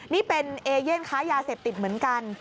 นี่เป็นเอเย่นค้ายาเสพติดเหมือนกัน